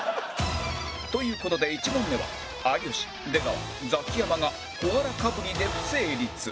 という事で１問目は有吉出川ザキヤマがコアラかぶりで不成立